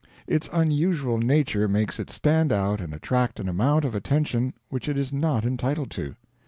Its unusual nature makes it stand out and attract an amount of attention which it is not entitled to.